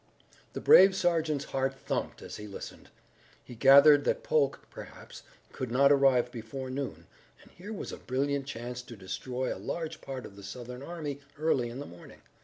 The brave sergeant's heart thumped as he listened. He gathered that Polk, perhaps, could not arrive before noon, and here was a brilliant chance to destroy a large part of the Southern army early in the morning.